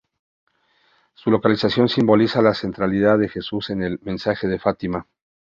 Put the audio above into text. Su localización simboliza la centralidad de Jesús en el mensaje de Fátima.